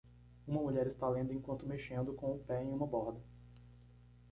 Uma mulher está lendo enquanto mexendo com o pé em uma borda.